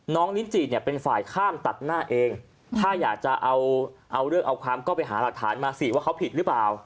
น้องลินจิเนี่ยเป็นฝ่ายข้ามตัดหน้าเองถ้าอยากจะเอาเรื่องเอาความก็ไปหาหลักฐานมาสิว่าเขาผิดหรือเปล่า